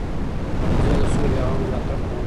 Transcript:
زه د سولي او امن ملاتړ کوم.